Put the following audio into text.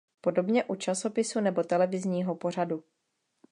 Podobně u časopisu nebo televizního pořadu.